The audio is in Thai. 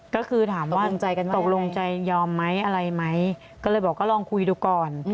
ก็คือถามว่าตกลงใจยอมไหมอะไรไหมก็เลยบอกก็ลองคุยดูก่อน